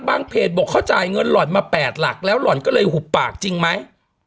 เพจบอกเขาจ่ายเงินหล่อนมา๘หลักแล้วหล่อนก็เลยหุบปากจริงไหม